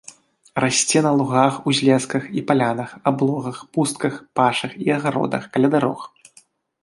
Расце на лугах, узлесках і палянах, аблогах, пустках, пашах і агародах, каля дарог.